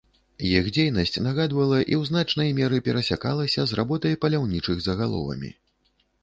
Іх дзейнасць нагадвала і ў значнай меры перасякалася з работай паляўнічых за галовамі.